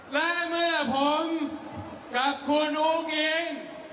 และเมื่อผมกับคุณอุ้งอิง